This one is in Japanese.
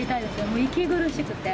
もう息苦しくて。